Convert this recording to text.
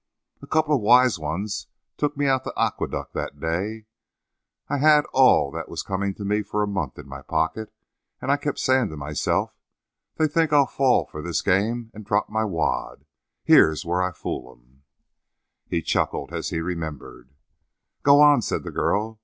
"A couple of wise ones took me out to Aqueduct that day: I had all that was coming to me for a month in my pocket, and I kept saying to myself: 'They think I'll fall for this game and drop my wad; here's where I fool 'em!'" He chuckled as he remembered. "Go on," said the girl.